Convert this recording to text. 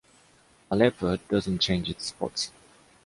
A leopard doesn’t change its spots.